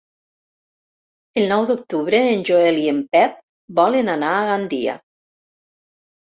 El nou d'octubre en Joel i en Pep volen anar a Gandia.